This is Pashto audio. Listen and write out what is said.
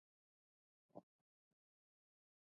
ازادي راډیو د د انتخاباتو بهیر په اړه د پوهانو څېړنې تشریح کړې.